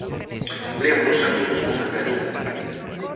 Lémbroos a todos con agarimo...